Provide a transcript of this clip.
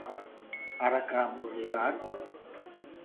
— Аракам йӱат?